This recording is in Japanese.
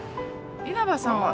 稲葉さんは。